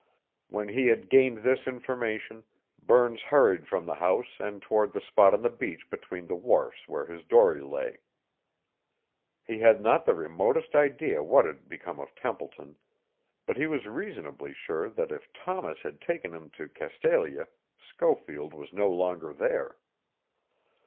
When he had gained this information Burns hurried from the house and toward the spot on the beach between the wharfs where his dory lay. He had not the remotest idea what had become of Templeton, but he was reasonably sure that if Thomas had taken him to Castalia, Schofield was no longer there.